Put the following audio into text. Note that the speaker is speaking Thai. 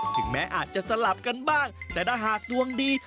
ถึงแม้อาจจะสลับกันบ้างแต่ถ้าหากดวงดี